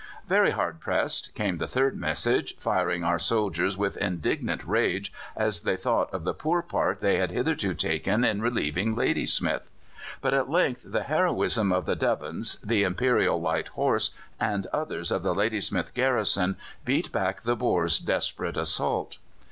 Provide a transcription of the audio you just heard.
"Very hard pressed," came the third message, firing our soldiers with indignant rage, as they thought of the poor part they had hitherto taken in relieving Ladysmith. But at length the heroism of the Devons, the Imperial Light Horse, and others of the Ladysmith garrison beat back the Boers' desperate assault.